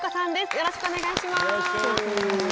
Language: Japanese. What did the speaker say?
よろしくお願いします。